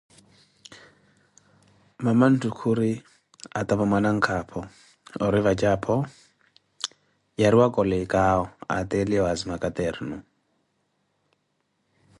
Mamanthu khuri, atavo mwananka âpha ori vatje aphô, yariwa colecawo ateliye waazima caternu.